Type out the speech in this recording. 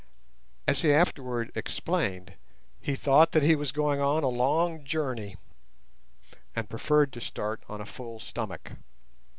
As he afterwards explained, he thought that he was going "on a long journey", and preferred to start on a full stomach.